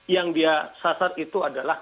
yang dia sasar itu adalah